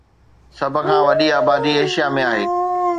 سڀ کان وڏي آبادي ايشيا ۾ آهي